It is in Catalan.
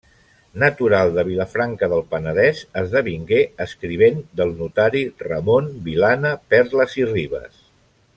Natural de Vilafranca del Penedès esdevingué escrivent del notari Ramon Vilana-Perles i Ribes.